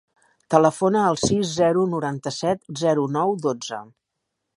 Telefona al sis, zero, noranta-set, zero, nou, dotze.